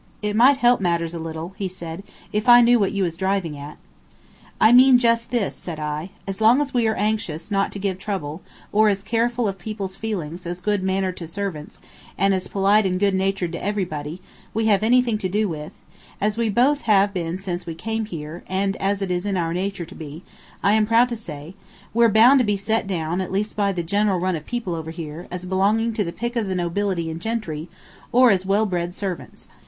"It might help matters a little," he said, "if I knew what you was driving at." "I mean just this," said I, "as long as we are as anxious not to give trouble, or as careful of people's feelings, as good mannered to servants, and as polite and good natured to everybody we have anything to do with, as we both have been since we came here, and as it is our nature to be, I am proud to say, we're bound to be set down, at least by the general run of people over here, as belonging to the pick of the nobility and gentry, or as well bred servants.